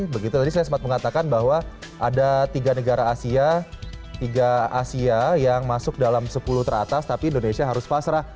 begitu tadi saya sempat mengatakan bahwa ada tiga negara asia tiga asia yang masuk dalam sepuluh teratas tapi indonesia harus pasrah